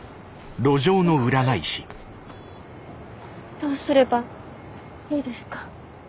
どうすればいいですか？